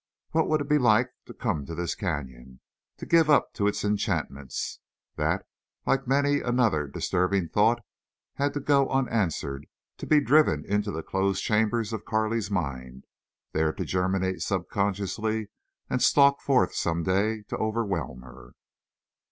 What would it be like to come to this canyon—to give up to its enchantments? That, like many another disturbing thought, had to go unanswered, to be driven into the closed chambers of Carley's mind, there to germinate subconsciously, and stalk forth some day to overwhelm her.